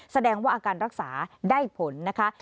แสดงว่าอาการรักษาได้ผลนะคะ